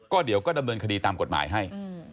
เดี๋ยวก็ดำเนินคดีตามกฎหมายให้